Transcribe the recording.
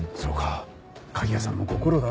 鍵屋さんもご苦労だね。